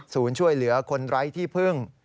ช่วยเหลือคนไร้ที่พึ่ง